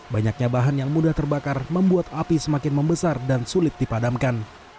banyaknya bahan yang mudah terbakar membuat api semakin membesar dan sulit dipadamkan